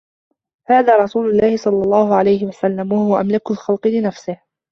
هَذَا رَسُولُ اللَّهِ صَلَّى اللَّهُ عَلَيْهِ وَسَلَّمَ وَهُوَ أَمْلَكُ الْخَلْقِ لِنَفْسِهِ